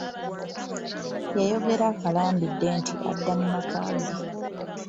Yayogera akalambidde nti adda mu maka ge.